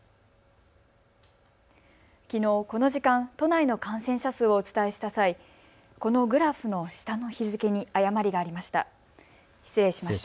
きのうこの時間、都内の感染者数をお伝えした際、このグラフの下の日付に誤りがありました。